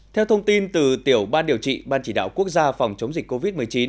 theo thông tin từ tiểu ban điều trị ban chỉ đạo quốc gia phòng chống dịch covid một mươi chín